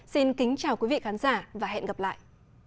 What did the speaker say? xin kính chào quý vị khán giả và hẹn gặp lại